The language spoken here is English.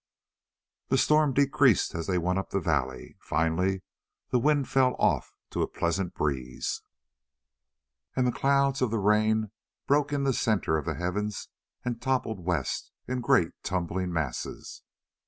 The storm decreased as they went up the valley. Finally the wind fell off to a pleasant breeze, and the clouds of the rain broke in the center of the heavens and toppled west in great tumbling masses.